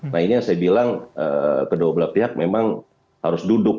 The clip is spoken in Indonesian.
nah ini yang saya bilang kedua belah pihak memang harus duduk